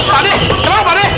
pade kenapa pade